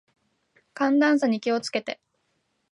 寒暖差に気を付けて。